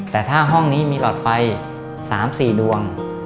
แต่ถ้าห้องนี้มีหลอดไฟ๓๔ดวง